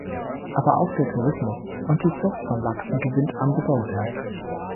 Aber auch der Tourismus und die Zucht von Lachsen gewinnt an Bedeutung.